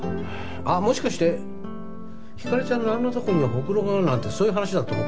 あっもしかしてひかりちゃんのあんなところにほくろがあるなんてそういう話だと思った？